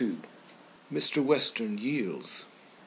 MR. WESTERN YIELDS.